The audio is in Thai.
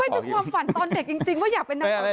ความฝันตอนเด็กจริงว่าอยากเป็นนางของใคร